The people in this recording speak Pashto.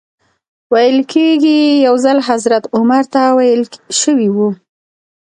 ویل کېږي یو ځل حضرت عمر ته ویل شوي و.